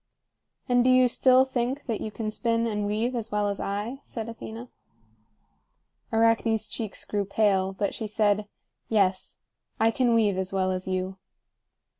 "And do you still think that you can spin and weave as well as I?" said Athena. Arachne's cheeks grew pale, but she said: "Yes. I can weave as well as you."